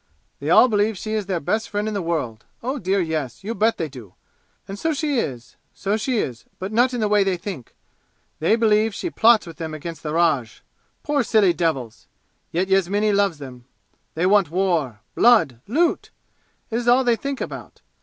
They all believe she is their best friend in the world oh, dear Yes, you bet they do! And so she is so she is but not in the way they think! They believe she plots with them against the Raj! Poor silly devils! Yet Yasmini loves them! They want war blood loot! It is all they think about!